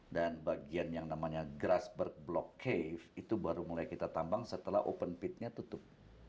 dan bagian yang namanya grassberg block cave itu baru mulai kita tambang setelah open pitnya tutup